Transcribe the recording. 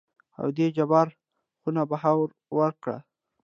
او دې جبار خون بها ورکړه.